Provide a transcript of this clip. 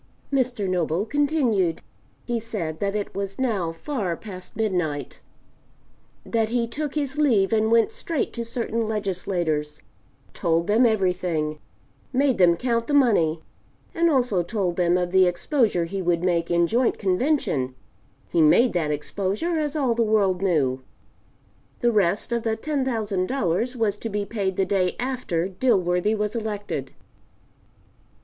Mr. Noble continued. He said that it was now far past midnight; that he took his leave and went straight to certain legislators, told them everything, made them count the money, and also told them of the exposure he would make in joint convention; he made that exposure, as all the world knew. The rest of the $10,000 was to be paid the day after Dilworthy was elected.